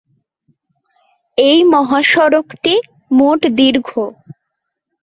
এই মহাসড়কটি মোট দীর্ঘ।